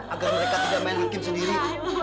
agar mereka tidak main hakim sendiri